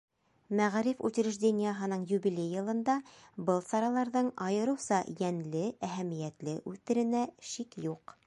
Мәғариф учреждениеһының юбилей йылында был сараларҙың айырыуса йәнле, әһәмиәтле үтеренә шик юҡ.